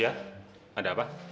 ya ada apa